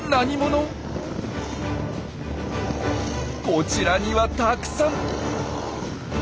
こちらにはたくさん。